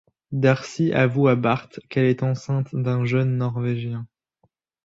Darcy avoue à Bart qu'elle est enceinte d'un jeune Norvégien.